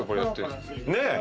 ねえ。